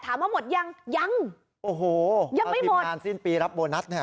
ถามว่าหมดยังยังโอ้โหยังไม่หมดงานสิ้นปีรับโบนัสเนี่ย